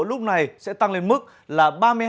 lúc này sẽ tăng lên mức là